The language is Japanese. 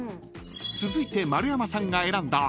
［続いて丸山さんが選んだ］